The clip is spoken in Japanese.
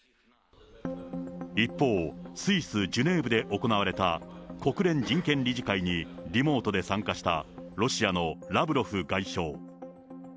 一方、スイス・ジュネーブで行われた国連人権理事会に、リモートで参加したロシアのラブロフ外相。